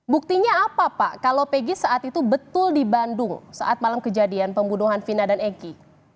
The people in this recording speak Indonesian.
buktinya apa pak kalau pegi saat itu betul di bandung saat malam kejadian pembunuhan vina dan eki